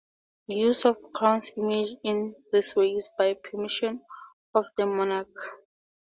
Use of the crown's image in this way is by permission of the monarch.